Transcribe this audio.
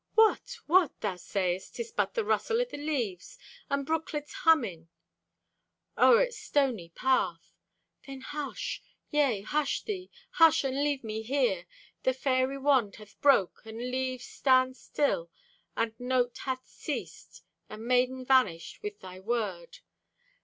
What! What! Thou sayest 'Tis but the rustle o' the leaves, And brooklet's humming o'er its stony path! Then hush! Yea, hush thee! Hush and leave me here! The fairy wand hath broke, and leaves Stand still, and note hath ceased, And maiden vanished with thy word.